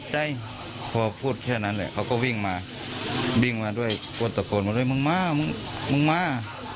ใจพอพูดแค่นั้นแหละเขาก็วิ่งมาวิ่งมาด้วยก็ตะโกนมาด้วยมึงมามึงมึงมา